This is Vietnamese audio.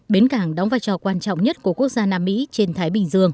bến cảng đóng vai trò quan trọng nhất của quốc gia nam mỹ trên thái bình dương